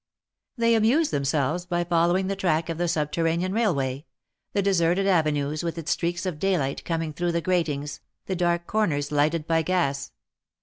They amused themselves by following the track of the subterranean railway — the deserted avenues with its streaks of daylight coming through the gratings, the dark corners lighted by gas.